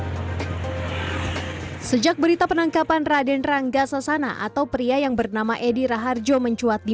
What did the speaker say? sejak berita penangkapan raden rangga sasana atau pria yang bernama edi raharjo mencuat di